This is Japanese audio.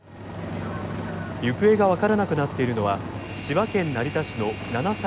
行方が分からなくなっているのは千葉県成田市の７歳の女の子で。